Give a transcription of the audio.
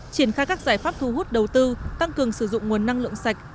triển khai các giải pháp thu hút đầu tư tăng cường sử dụng nguồn năng lượng sạch